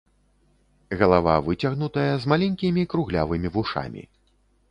Галава выцягнутая, з маленькімі круглявымі вушамі.